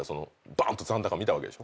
ばんっと残高見たわけでしょ。